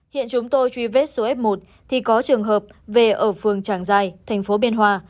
hiện chúng tôi truy vết số f một thì có trường hợp về ở phương tràng giai tp biên hòa